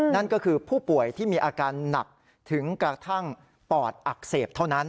นั่นก็คือผู้ป่วยที่มีอาการหนักถึงกระทั่งปอดอักเสบเท่านั้น